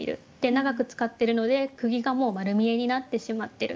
長く使っているので釘がもうまる見えになってしまっている。